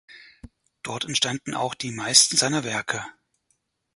Dort entstanden auch die meisten seiner Werke.